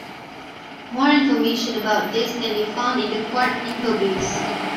More information about this can be found in the QuArK Infobase.